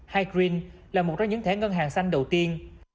high green là một trong những thẻ ngân hàng xanh đầu tiên